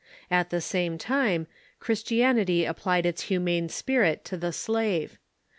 At the same time, Christianity applied its humane spirit to the slave.